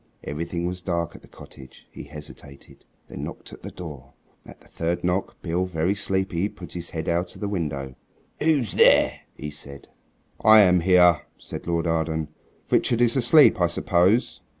Everything was dark at the cottage. He hesitated, then knocked at the door. At the third knock Beale, very sleepy, put his head out of the window. "Who's there?" said he. "I am here," said Lord Arden. "Richard is asleep, I suppose?"